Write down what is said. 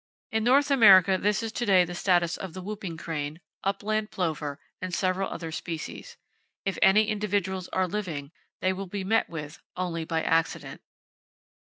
In North America this is to day the status of the whooping crane, upland plover, and several other species. If any individuals are living, they will be met with only by accident.